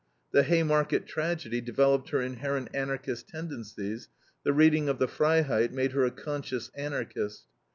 The Haymarket tragedy developed her inherent Anarchist tendencies: the reading of the FREIHEIT made her a conscious Anarchist.